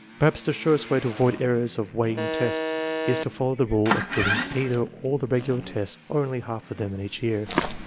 Perhaps the surest way to avoid errors of weighting tests is to follow the rule of giving either all the regular tests or only half of them in each year.